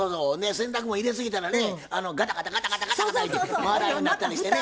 洗濯物入れすぎたらねガタガタガタガタガタガタゆうて回らんようなったりしてね。